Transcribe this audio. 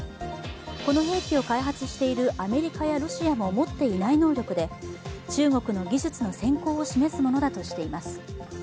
この兵器を開発しているアメリカやロシアも持っていない能力で、中国の技術の先行を示すものだとしています。